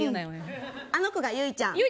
あの子がユイちゃん。